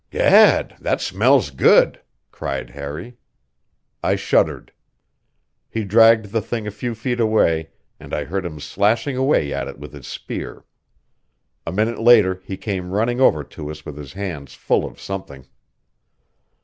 "Gad, that smells good!" cried Harry. I shuddered. He dragged the thing a few feet away, and I heard him slashing away at it with his spear. A minute later he came running over to us with his hands full of something.